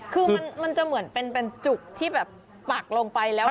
คือมันจะเหมือนเป็นจุกที่แบบปักลงไปแล้ว